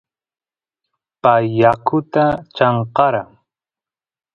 pay yakuta chamkara